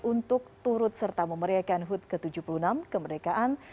untuk turut serta memeriakan hud ke tujuh puluh enam kemerdekaan